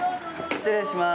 失礼します。